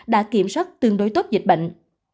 đã kiểm soát tương đối tốt dịch bệnh